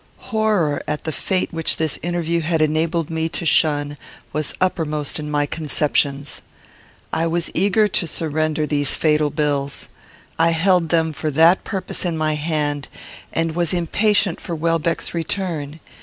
Horror at the fate which this interview had enabled me to shun was uppermost in my conceptions. I was eager to surrender these fatal bills. I held them for that purpose in my hand, and was impatient for Welbeck's return.